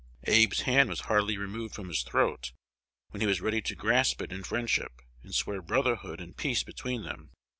Abe's hand was hardly removed from his throat, when he was ready to grasp it in friendship, and swear brotherhood and peace between them.